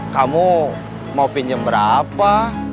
kamu mau pinjam berapa